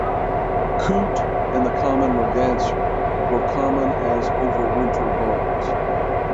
Coot and the common merganser were common as overwinter birds.